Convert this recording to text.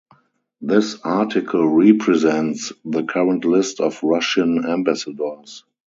This article represents the current list of Russian ambassadors.